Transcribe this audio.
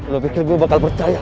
lo pikir gue bakal percaya